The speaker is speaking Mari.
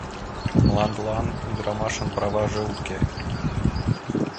— Мландылан ӱдырамашын праваже уке.